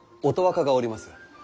乙若がおります。